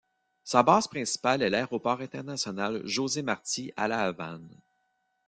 Sa base principale est l'Aéroport international José-Marti à La Havane.